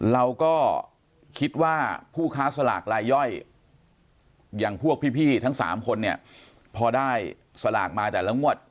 เราก็คิดว่าผู้ค้าสลากลายย่อยอย่างพวกพี่ทั้ง๓คนเนี่ยพอได้สลากมาแต่ละงวด